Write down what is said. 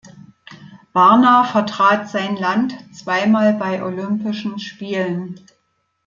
Barna vertrat sein Land zweimal bei Olympischen Spielen.